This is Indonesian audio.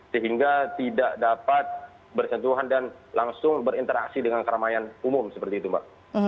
sehingga tidak dapat bersentuhan dan langsung berinteraksi dengan keramaian umum seperti itu mbak